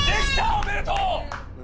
おめでとう！